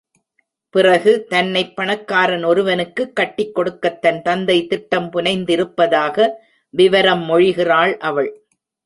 பிறகு, தன்னைப் பணக்காரன் ஒருவனுக்குக் கட்டிக் கொடுக்கத் தன் தந்தை திட்டம் புனைந்திருப்பதாக விவரம் மொழிகிறாள் அவள்.